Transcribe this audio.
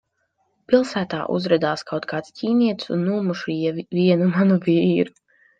Pilsētā uzradās kaut kāds ķīnietis un nomušīja vienu manu vīru.